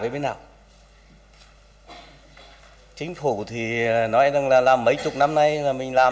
và chính phủ chịu trách nhiệm